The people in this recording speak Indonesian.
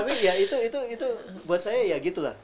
tapi ya itu buat saya ya gitu lah